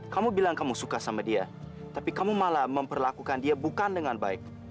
kamu bilang kamu suka sama dia tapi kamu malah memperlakukan dia bukan dengan baik